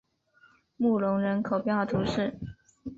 穆龙人口变化图示